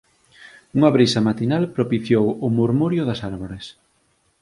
Unha brisa matinal propiciou o murmurio das árbores.